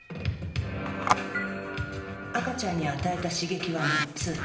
赤ちゃんに与えた刺激は３つ。